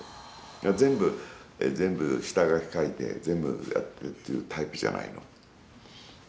だから全部、全部、下書き描いて全部、やってるっていうタイプじゃないの。